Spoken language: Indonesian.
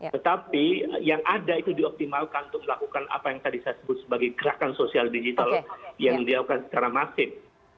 tetapi yang ada itu dioptimalkan untuk melakukan apa yang tadi saya sebut sebagai gerakan sosial digital yang dilakukan secara masif